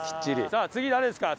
さあ次誰ですか？